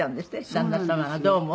旦那様がどうも。